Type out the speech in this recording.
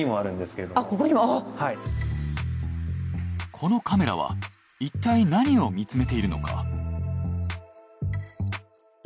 このカメラはいったい何を見つめているのか？